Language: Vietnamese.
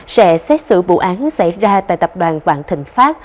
sẽ xét xử vụ án xảy ra tại tập đoàn vạn thịnh pháp